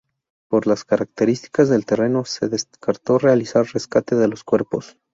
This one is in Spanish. Por las características del terreno se descartó realizar rescate de los cuerpos.